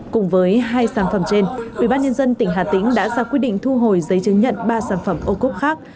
cùng với hai sản phẩm trên ubnd tỉnh hà tĩnh đã ra quyết định thu hồi giấy chứng nhận ba sản phẩm ô cốp khác